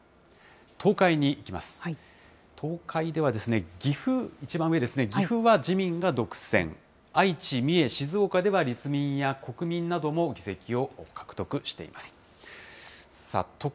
東海では岐阜、一番上ですね、岐阜は自民が独占、愛知、三重、静岡では立民や国民なども議席を獲得しています。